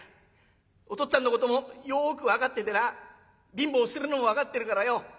お父っつぁんのこともよく分かっててな貧乏してるのも分かってるからよ